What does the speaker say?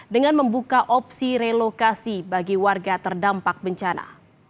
dengan membuka opsi relokasi bagi warga terdampak bencana